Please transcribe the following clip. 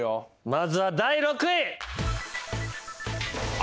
まずは第６位！